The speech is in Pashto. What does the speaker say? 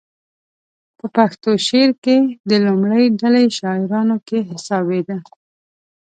په پښتو شعر کې د لومړۍ ډلې شاعرانو کې حسابېده.